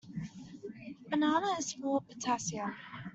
Banana is full of potassium.